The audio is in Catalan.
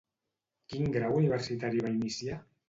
Quin grau universitari va iniciar?